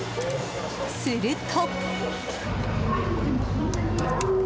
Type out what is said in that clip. すると。